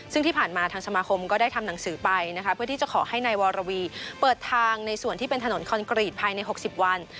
ซึ่งที่ผ่านมาทางสมาคมก็ได้ทำหนังสือไปนะคะเพื่อที่จะขอให้นายวรวีเปิดทางในส่วนที่เป็นถนนคอนกรีตภายใน๖๐วัน